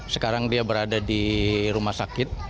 sekarang dia berada di rumah sakit